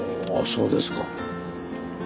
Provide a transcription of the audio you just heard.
そうですか。